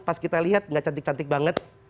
pas kita lihat gak cantik cantik banget